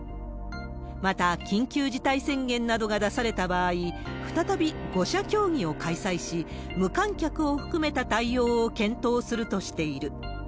また、緊急事態宣言などが出された場合、再び５者協議を開催し、無観客を含めた対応を検討するとしている。